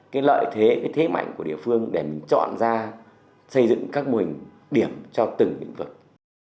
cái lợi thế cái thế mạnh của địa phương để mình chọn ra xây dựng các mô hình điểm cho từng lĩnh vực